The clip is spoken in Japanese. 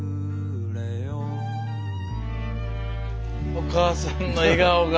お母さんの笑顔が。